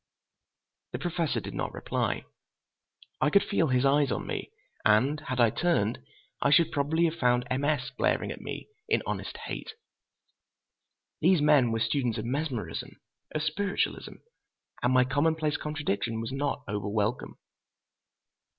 The Professor did not reply. I could feel his eyes on me, and had I turned, I should probably had found M. S. glaring at me in honest hate. These men were students of mesmerism, of spiritualism, and my commonplace contradiction was not over welcome.